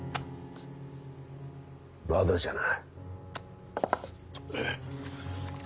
まだじゃな。